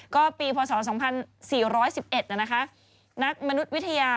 ก็ปีพศ๒๔๑๑นะคะนักมนุษย์วิทยา